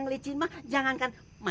lihatlah dia sudah bergerak ke sana